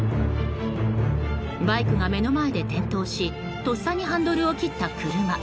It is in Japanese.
バイクが目の前で転倒しとっさにハンドルを切った車。